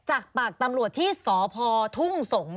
จากปากตำรวจที่สพทุ่งสงศ์